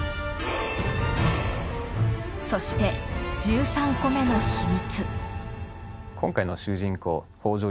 そして１３個目の秘密。